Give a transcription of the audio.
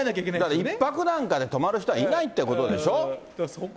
だから１泊なんかで泊まる人はいないということでしょ？